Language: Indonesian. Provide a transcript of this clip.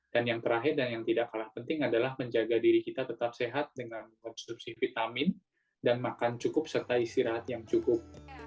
dan yang terakhir dan yang tidak kalah penting adalah menjaga diri kita tetap sehat dengan konsumsi vitamin dan makan cukup serta istirahat yang cukup